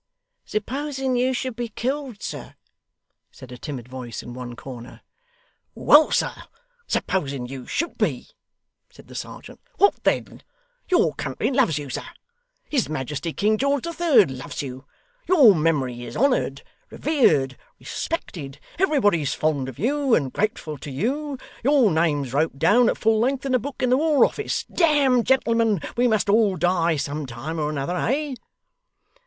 'Supposing you should be killed, sir?' said a timid voice in one corner. 'Well, sir, supposing you should be,' said the serjeant, 'what then? Your country loves you, sir; his Majesty King George the Third loves you; your memory is honoured, revered, respected; everybody's fond of you, and grateful to you; your name's wrote down at full length in a book in the War Office. Damme, gentlemen, we must all die some time, or another, eh?